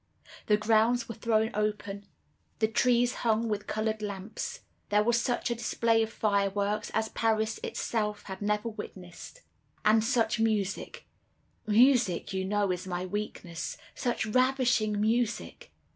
The grounds were thrown open, the trees hung with colored lamps. There was such a display of fireworks as Paris itself had never witnessed. And such music—music, you know, is my weakness—such ravishing music!